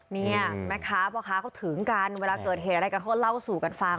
เนี่ยแม่ค้าพ่อค้าเขาถึงกันเวลาเกิดเหตุอะไรกันเขาก็เล่าสู่กันฟัง